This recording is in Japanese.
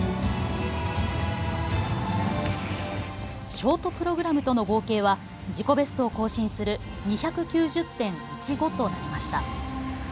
ショートプログラムとの合計は自己ベストを更新する２９０．１５となりました。